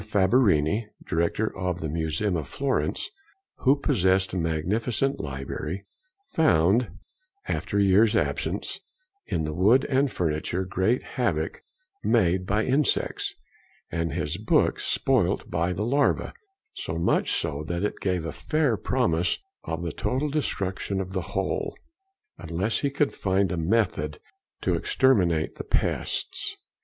Fabbroni, Director of the Museum of Florence, who possessed a magnificent library, found, after a year's absence, in the wood and furniture, great havoc made by insects, and his books spoilt by the larvæ, so much so that it gave a fair promise of the total destruction of the whole, unless he could find a method to exterminate the pests.